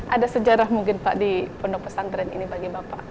ada sejarah mungkin pak di pondok pesantren ini bagi bapak